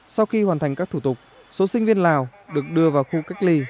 sau khi hoàn thành các thủ tục số sinh viên lào được đưa vào khu cách ly